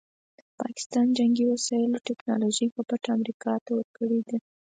پاکستان جنګي وسایلو ټیکنالوژي په پټه امریکا ته ورکړې ده.